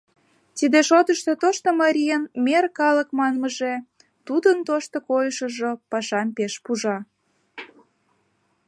Тиде шотышто тошто марийын «мер калык» манмыже, тудын тошто койышыжо пашам пеш пужа.